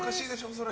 それ。